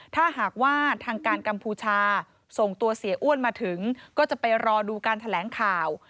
ถ้าหากว่าทางการกัมพูชาส่งตัวเสียอ้วนมาถึงก็จะไปรอดูการแถลงข่าว